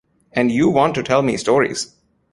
And you want me to tell stories!